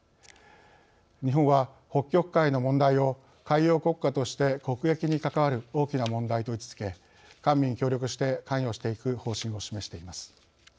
日本は、北極海の問題を海洋国家として国益に関わる大きな問題と位置づけ、官民協力して関与していく方針を示しています。